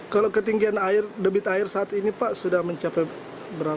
kalau ketinggian air debit air saat ini pak sudah mencapai berapa